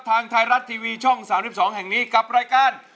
ทางไทยรัฐทีวีช่อง๓๒แห่งนี้กับรายการ